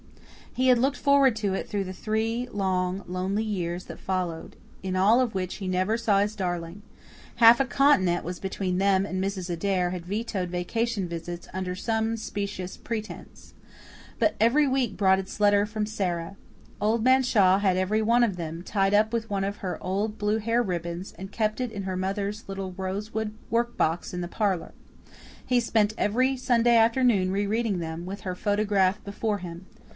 He had looked forward to it through the three long, lonely years that followed, in all of which he never saw his darling. Half a continent was between them and Mrs. Adair had vetoed vacation visits, under some specious pretense. But every week brought its letter from Sara. Old Man Shaw had every one of them, tied up with one of her old blue hair ribbons, and kept in her mother's little rose wood work box in the parlour. He spent every Sunday afternoon re reading them, with her photograph before him.